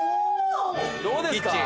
どうですか。